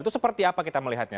itu seperti apa kita melihatnya